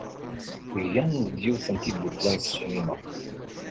Gan-d yiwet n tiddukla n ssinima.